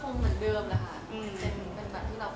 หนูว่ามันคงเหมือนเดิมระค่ะ